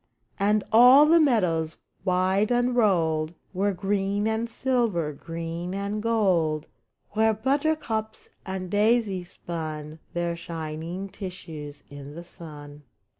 And all the meadows, wide unrolled. Were green and silver, green and gold. Where buttercups and daisies spun Their shining tissues in the sun.